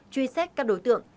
truy xét các đối tượng